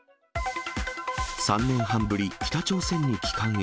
３年半ぶり、北朝鮮に帰還へ。